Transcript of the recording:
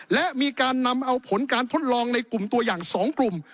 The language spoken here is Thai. และมีการนำเอาผลการทดลองในกลุ่มตัวอย่าง๒กลุ่ม